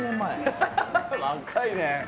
「若いね。